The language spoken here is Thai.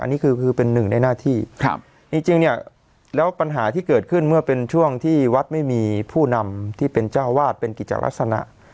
อันนี้คือคือเป็นหนึ่งในหน้าที่ครับจริงเนี่ยแล้วปัญหาที่เกิดขึ้นเมื่อเป็นช่วงที่วัดไม่มีผู้นำที่เป็นเจ้าวาดเป็นกิจลักษณะ